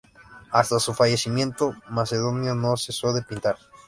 Hasta su fallecimiento, Macedonio no cesó de pintar.